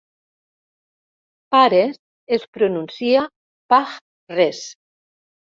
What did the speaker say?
"Pares" és pronuncia "pah-res.